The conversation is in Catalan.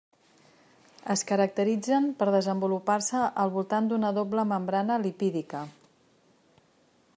Es caracteritzen per desenvolupar-se al voltat d'una doble membrana lipídica.